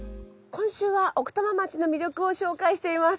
今週は奥多摩町の魅力を紹介しています。